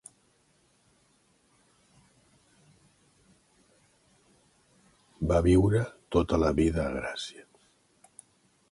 Va viure tota la vida a Gràcia.